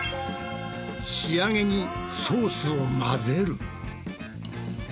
仕上げにソースを混ぜる。